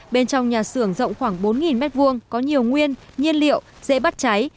bên trong nhà xưởng rộng khoảng bốn m hai có nhiều nguyên nhiên liệu dễ bắt cháy